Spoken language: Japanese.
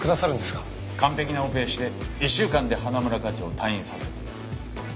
完璧なオペをして１週間で花村課長を退院させてやる。